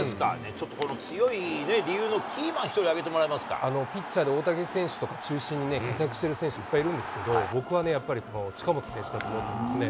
ちょっとこの強い理由のキーマン、ピッチャーで、大竹選手とか、中心に活躍している選手、いっぱいいるんですけど、僕はやっぱり、近本選手だと思ってますね。